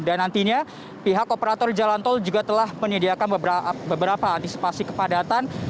dan nantinya pihak operator jalan tol juga telah menyediakan beberapa antisipasi kepadatan